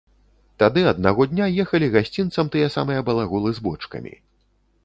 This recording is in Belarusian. Тады аднаго дня ехалі гасцінцам тыя самыя балаголы з бочкамі.